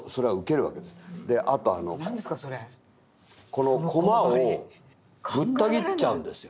このコマをぶった切っちゃうんですよ。